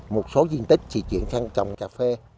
một số diện tích thì chuyển sang trồng cà phê